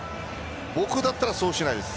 僕だったらそうしないです